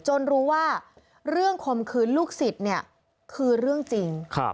รู้ว่าเรื่องคมคืนลูกศิษย์เนี่ยคือเรื่องจริง